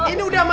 ini udah ma